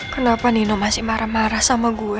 kenapa nino masih marah marah sama gue